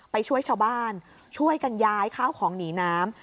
ไปช่วยชาวบ้านช่วยกันย้ายข้าวของหนีน้ำ